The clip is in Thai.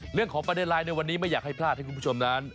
เรื่องของประเด็นไลน์ในวันนี้ไม่อยากให้พลาดให้คุณผู้ชมนั้น